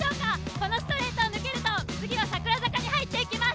このストレートを抜けると、次は桜坂に入っていきます。